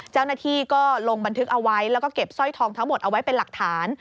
เจ้าหน้าที่ก็ลงบันทึกเอาไว้แล้วก็เก็บสร้อยทองทั้งหมดเอาไว้เป็นหลักฐาน